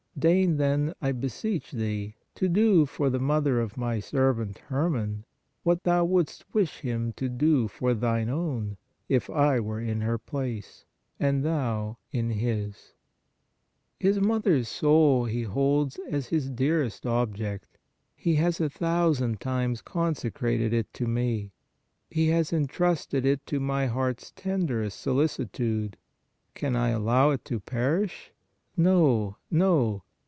Deign then, I beseech Thee, to do for the mother of my servant Herman, what Thou wouldst wish him to do for Thine own, if I were in her place, and Thou in his ! His mother s soul he holds as his dearest object ; he has a thousand times consecrated it to me ; he has entrusted it to my heart s tenderest solicitude. Can I allow it to perish? No, no!